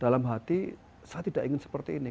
dalam hati saya tidak ingin seperti ini